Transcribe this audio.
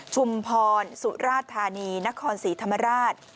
ชุมพรสุราธานีนครศรีธรรมราช